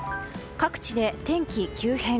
各地で天気急変。